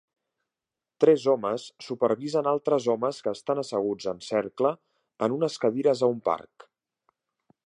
Tres homes supervisen altres homes que estan asseguts en cercle en unes cadires a un parc.